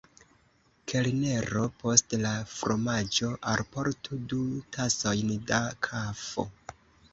Kelnero, post la fromaĝo alportu du tasojn da kafo.